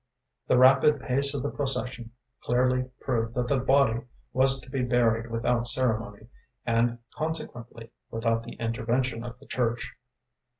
The rapid pace of the procession clearly proved that the body was to be buried without ceremony, and, consequently, without the intervention of the Church.